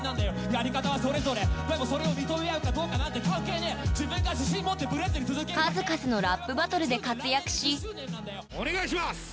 やり方はそれぞれでもそれを認め合うかどうかなんて関係ねえ自分が自信持ってブレずに続けるだけ数々のラップバトルで活躍しお願いします！